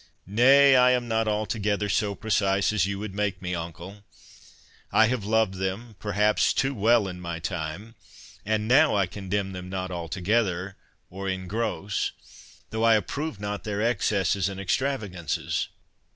"Nay, I am not altogether so precise as you would make me, uncle. I have loved them perhaps too well in my time, and now I condemn them not altogether, or in gross, though I approve not their excesses and extravagances.